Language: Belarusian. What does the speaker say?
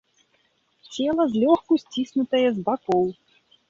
Цела злёгку сціснутае з бакоў.